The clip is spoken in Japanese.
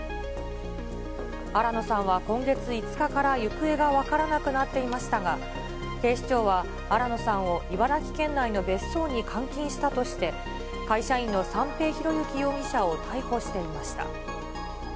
新野さんは今月５日から行方が分からなくなっていましたが、警視庁は新野さんを茨城県内の別荘に監禁したとして、会社員の三瓶博幸容疑者を逮捕していました。